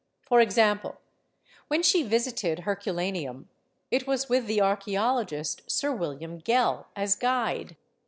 por example, when she visited Herculaneum, it was V/ith the archaeologist, Sir William Gell, as guide.